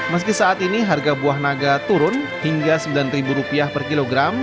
meski saat ini harga buah naga turun hingga rp sembilan per kilogram